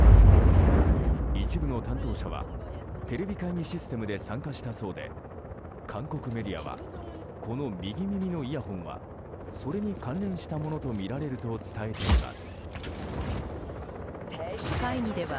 一部の担当者はテレビ会議システムで参加したそうで韓国メディアはこの右耳のイヤホンはそれに関連した物とみられると伝えています。